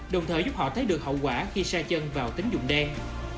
đồng thời giúp họ thấy được hậu quả khi xa chân vào tính dụng đen